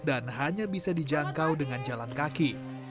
dan hanya bisa dijangkau dengan jalan kaki